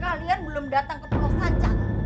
kalian belum datang ke pulau sacan